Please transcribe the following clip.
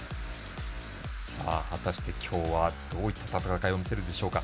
果たして、今日はどういった戦いを見せるんでしょうか。